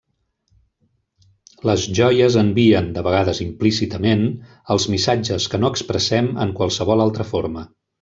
Les joies envien, de vegades implícitament, els missatges que no expressem en qualsevol altra forma.